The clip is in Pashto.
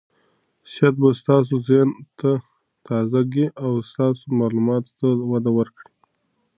سیاحت به ستاسو ذهن ته تازه ګي او ستاسو معلوماتو ته وده ورکړي.